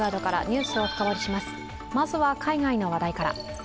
まずは海外の話題から。